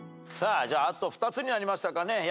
さああと２つになりましたかね。